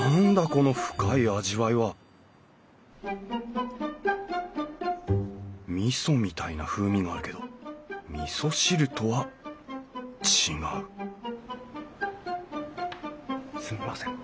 この深い味わいはみそみたいな風味があるけどみそ汁とは違うすみません。